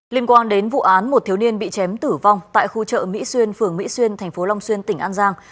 liên quan đến vụ án một thiếu niên bị chém tử vong tại khu chợ mỹ xuyên phường mỹ xuyên thành phố long xuyên tỉnh an giang